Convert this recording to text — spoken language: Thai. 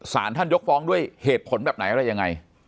สารท่านยกฟ้องด้วยเหตุผลแบบไหนอะไรยังไง